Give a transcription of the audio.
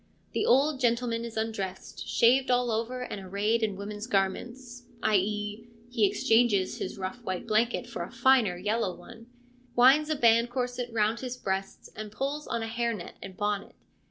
The old gentleman is undressed, shaved all over and arrayed in woman's garments, i.e., he exchanges his rough white blanket for a finer yellow one ; winds a band corset round his breast and puts on a hair net and bonnet.